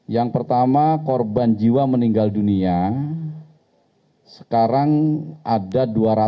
yang pertama korban jiwa meninggal dunia sekarang ada dua ratus dua puluh